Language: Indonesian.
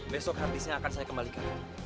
besok habisnya akan saya kembalikan